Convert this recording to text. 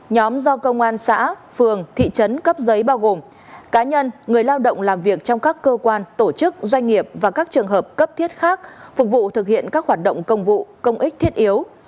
nhóm do công an xã phường thị trấn cấp giấy bao gồm cá nhân người lao động làm việc trong các cơ quan tổ chức doanh nghiệp và các trường hợp cấp thiết khác phục vụ thực hiện các hoạt động công vụ công ích thiết yếu